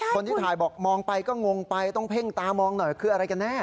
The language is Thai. คนที่ถ่ายบอกมองไปก็งงไปต้องเพ่งตามองหน่อยคืออะไรกันแน่